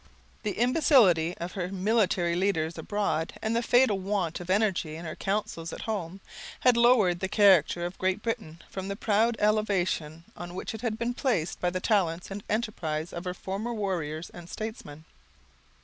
The imbecility of her military leaders abroad, and the fatal want of energy in her councils at home, had lowered the character of Great Britain from the proud elevation on which it had been placed by the talents and enterprise of her former warriors and statesmen.